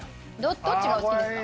どっちがお好きですか？